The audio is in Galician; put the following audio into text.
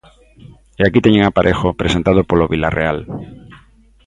E aquí teñen a Parejo presentado polo Vilarreal.